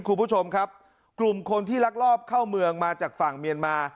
คุณผู้ชมครับกลุ่มคนที่ลักลอบเข้าเมืองมาจากฝั่งเมียนมา